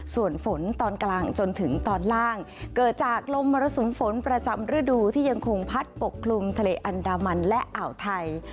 ส่วนฝนตอนกลางจนถึงตอนล่างเกิดจากลมมรสุมฝนประจำฤดูที่ยังคงพัดปกคลุมทะเลอันดามันและอ่าวไทย